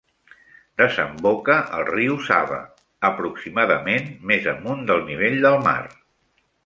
Desemboca al riu Sava, aproximadament més amunt del nivell del mar.